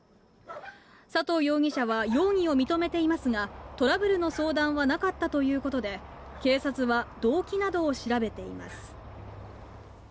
佐藤容疑者は容疑を認めていますが、トラブルの相談はなかったということで、警察は動機などを調べています。